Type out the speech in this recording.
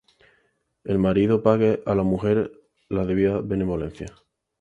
El marido pague á la mujer la debida benevolencia;